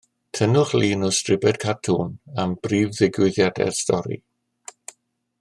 Tynnwch lun o stribed cartŵn am brif ddigwyddiadau'r stori